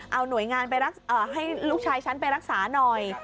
เอาหน่วยงานไปให้ลูกชายฉันไปรักษาหน่อย